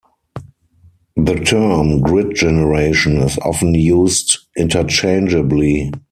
The term "grid generation" is often used interchangeably.